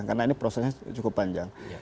karena ini prosesnya cukup panjang